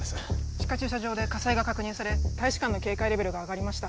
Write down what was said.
地下駐車場で火災が確認され大使館の警戒レベルが上がりました